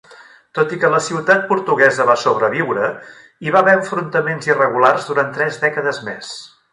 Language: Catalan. Tot i que la ciutat portuguesa va sobreviure, hi va haver enfrontaments irregulars durant tres dècades més.